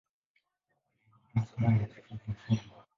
Hapo aliendelea na somo la fizikia.